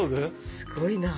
すごいな。